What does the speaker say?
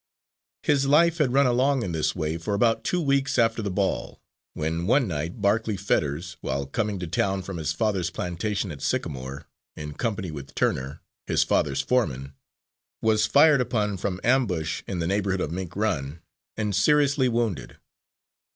His life had run along in this way for about two weeks after the ball, when one night Barclay Fetters, while coming to town from his father's plantation at Sycamore, in company with Turner, his father's foreman, was fired upon from ambush, in the neighbourhood of Mink Run, and seriously wounded.